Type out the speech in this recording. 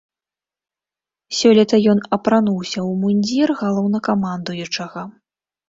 Сёлета ён апрануўся ў мундзір галоўнакамандуючага.